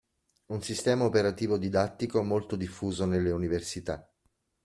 Un sistema operativo didattico molto diffuso nelle università.